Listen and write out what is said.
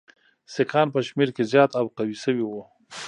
سیکهان په شمېر کې زیات او قوي شوي وو.